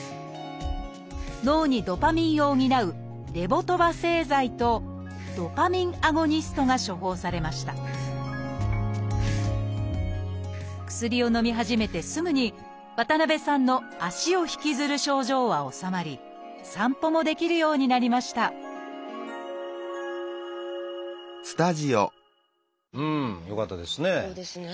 脳にドパミンを補う「レボドパ製剤」と「ドパミンアゴニスト」が処方されました薬をのみ始めてすぐに渡辺さんの足を引きずる症状は治まり散歩もできるようになりましたうんよかったですね。